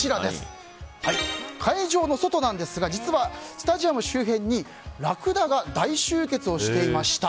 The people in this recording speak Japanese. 会場の外なんですが実はスタジアム周辺にラクダが大集結していました。